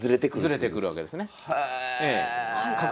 ズレてくるわけですね。